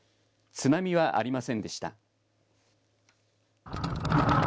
津波はありませんでした。